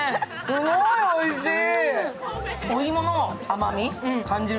すごいおいしい。